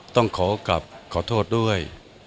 ต้องขอกลับขอโทษด้วย